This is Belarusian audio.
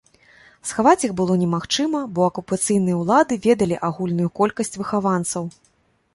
Схаваць іх было немагчыма, бо акупацыйныя ўлады ведалі агульную колькасць выхаванцаў.